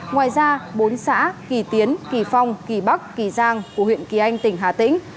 ngoài ra bốn xã kỳ tiến kỳ phong kỳ bắc kỳ giang của huyện kỳ anh tỉnh hà tĩnh